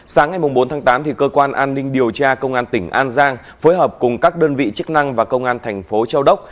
sáng ngày bốn tháng tám cơ quan an ninh điều tra công an tỉnh an giang phối hợp cùng các đơn vị chức năng và công an thành phố châu đốc